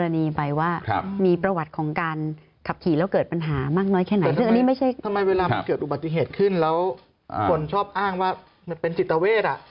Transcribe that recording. แล้วคนชอบอ้างว่าเป็นจิตเวชอะ